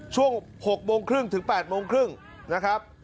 ช่วง๖๓๐ถึง๘๓๐นะครับ